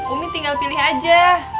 umi tinggal pilih aja